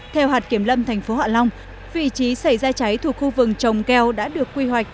theo hạt kiểm lâm thành phố hạ long vị trí xảy ra cháy thuộc khu vực trồng keo đã được quy hoạch